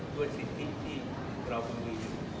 ด้วยสิทธิที่เราคงมี